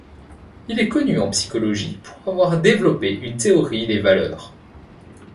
Il est connu en psychologie pour avoir développé une théorie des valeurs.